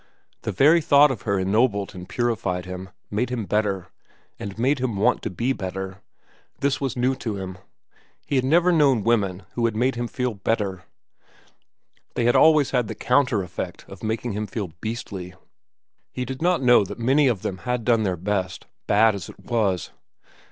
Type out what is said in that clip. The very thought of her ennobled and purified him, made him better, and made him want to be better. This was new to him. He had never known women who had made him better. They had always had the counter effect of making him beastly. He did not know that many of them had done their best, bad as it was.